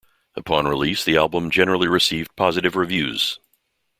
Upon release the album received generally positive reviews.